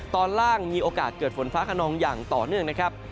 ตอนล่างมีโอกาสเกิดฝนฟ้าขนองอย่างต่อเนื่องนะครับ